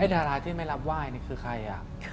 ดาราที่ไม่รับไหว้นี่คือใคร